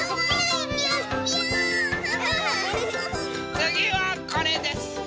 つぎはこれです。